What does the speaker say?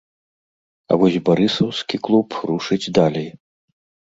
А вось барысаўскі клуб рушыць далей.